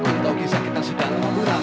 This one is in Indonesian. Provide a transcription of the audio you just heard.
untuk kisah kita sudah mengurang